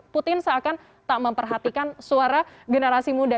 putin seakan tak memperhatikan suara generasi muda